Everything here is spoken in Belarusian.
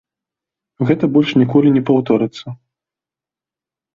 Гэтага больш ніколі не паўторыцца.